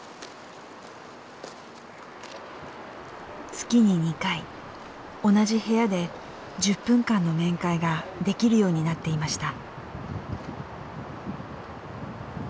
月に２回、同じ部屋で１０分間の面会ができるようになっていました。